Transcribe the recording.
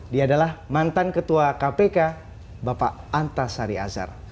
dia adalah mantan ketua kpk bapak antasari azhar